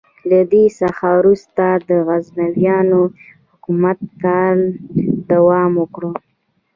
له دې څخه وروسته د غزنویانو حکومت کاله دوام وکړ.